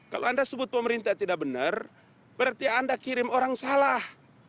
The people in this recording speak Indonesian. kalau anda sebut pemerintah tidak benar berarti anda kirim orang salah